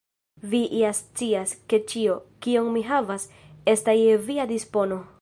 Vi ja scias, ke ĉio, kion mi havas, estas je via dispono.